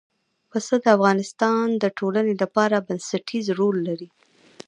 پسه د افغانستان د ټولنې لپاره بنسټيز رول لري.